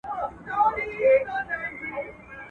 نر دي بولم که ایمان دي ورته ټینګ سو.